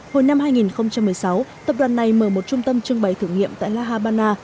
hồi năm hai nghìn một mươi sáu tập đoàn này mở một trung tâm trưng bày thử nghiệm tại la habana